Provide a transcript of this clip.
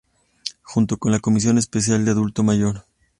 Junto con la Comisión Especial del Adulto Mayor.